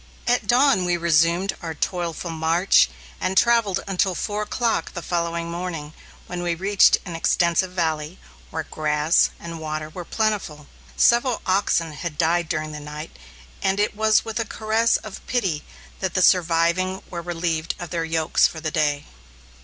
At dawn we resumed our toilful march, and travelled until four o'clock the following morning, when we reached an extensive valley, where grass and water were plentiful. Several oxen had died during the night, and it was with a caress of pity that the surviving were relieved of their yokes for the day.